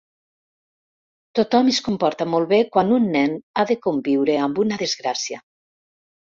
Tothom es comporta molt bé quan un nen ha de conviure amb una desgràcia.